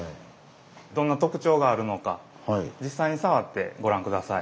どんな特徴があるのか実際に触ってご覧下さい。